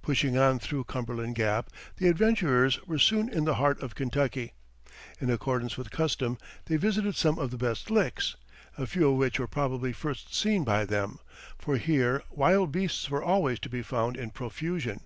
Pushing on through Cumberland Gap, the adventurers were soon in the heart of Kentucky. In accordance with custom, they visited some of the best licks a few of which were probably first seen by them for here wild beasts were always to be found in profusion.